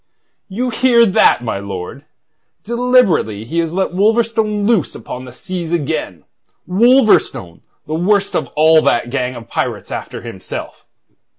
"You hear that, my lord? Deliberately he has let Wolverstone loose upon the seas again Wolverstone, the worst of all that gang of pirates after himself.